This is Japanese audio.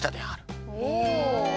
おお！